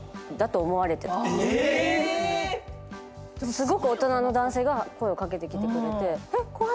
すごく大人の男性が声を掛けてきてくれて怖い！